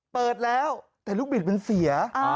เปิดแล้วแต่ลูกบิดมันเสีย